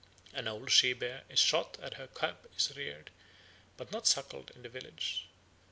An old she bear is shot and her cub is reared, but not suckled, in the village.